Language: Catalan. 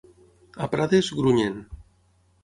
A Prades, grunyen.